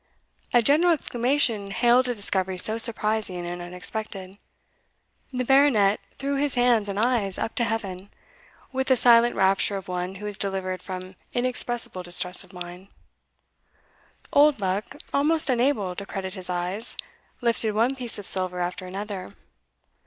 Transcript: A general exclamation hailed a discovery so surprising and unexpected. The Baronet threw his hands and eyes up to heaven, with the silent rapture of one who is delivered from inexpressible distress of mind. Oldbuck, almost unable to credit his eyes, lifted one piece of silver after another.